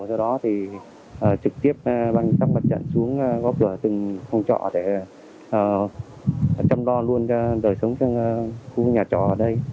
trước đó thì trực tiếp bang tâm quách trận xuống góp lửa từng khu nhà trọ để chăm đo luôn cho đời sống trong khu nhà trọ ở đây